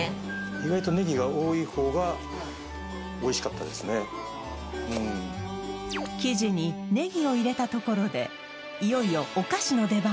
意外と生地にネギを入れたところでいよいよお菓子の出番